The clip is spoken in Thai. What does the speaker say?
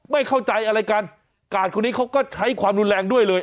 ไม่เข้าใจอะไรกันกาดคนนี้เขาก็ใช้ความรุนแรงด้วยเลย